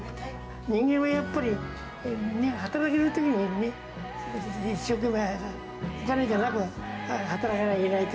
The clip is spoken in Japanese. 人間はやっぱり働けるときにね、一生懸命、お金じゃなく、働かなきゃいけないと。